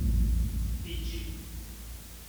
فیجی